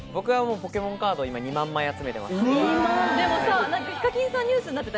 ポケモンカードを２万枚集めてます。